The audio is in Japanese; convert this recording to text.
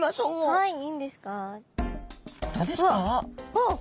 あっ。